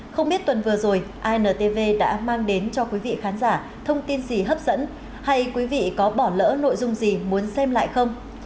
không biết tuần vừa rồi intv đã mang đến cho quý vị khán giả thông tin gì hấp dẫn hay quý vị có bỏ lỡ nội dung gì muốn xem lại không